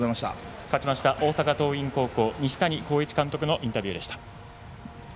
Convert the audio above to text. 勝ちました大阪桐蔭高校、西谷浩一監督のインタビューでした。